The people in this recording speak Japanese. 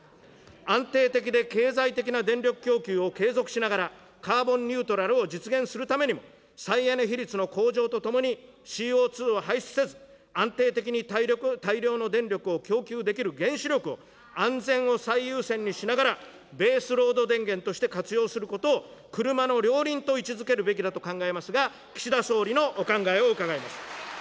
安定的で経済的な電力供給を継続しながら、カーボンニュートラルを実現するためにも、再エネ比率の向上とともに、ＣＯ２を排出せず、安定的に大量の電力を供給できる原子力を安全を最優先にしながら、ベースロード電源として活用することを、車の両輪と位置づけるべきだと考えますが、岸田総理のお考えを伺います。